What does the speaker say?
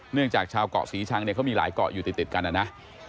จากชาวเกาะศรีชังเนี่ยเขามีหลายเกาะอยู่ติดกันนะนะ